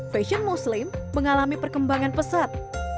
fashion muslim mengalami perkembangan pesat